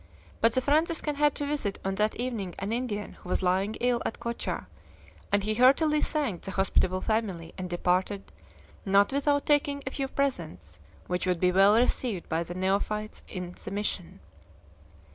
But the Franciscan had to visit on that evening an Indian who was lying ill at Cocha, and he heartily thanked the hospitable family and departed, not without taking a few presents, which would be well received by the neophytes of the mission.